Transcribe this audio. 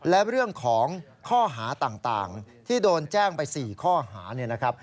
และเรื่องของข้อหาต่างที่โดนแจ้งไป๔ข้อหา